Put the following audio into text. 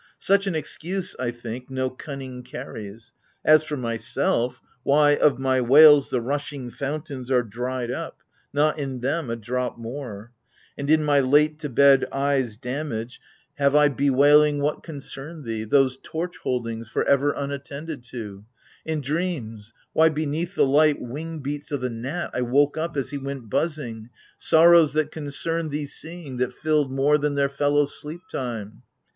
Such an excuse, I think, no cunning carries ! As for myself — why, of my wails the rushing Fountains are dried up : not in them a drop more ! And in my late to bed eyes damage have I 72 AGAMEMNON. Bewailing what concerned thee, those torch holdings For ever unattended to. In dreams — why, Beneath the light wing beats o' the gnat, I woke up As he went buzzing — sorrows that concerned thee Seeing, that filled more than their fellow sleep time.